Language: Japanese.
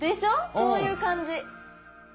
そういう感じ。